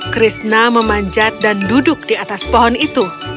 krishna memanjat dan duduk di atas pohon itu